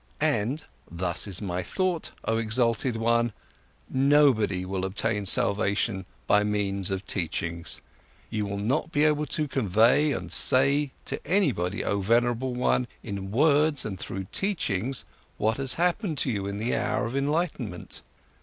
And—thus is my thought, oh exalted one,—nobody will obtain salvation by means of teachings! You will not be able to convey and say to anybody, oh venerable one, in words and through teachings what has happened to you in the hour of enlightenment!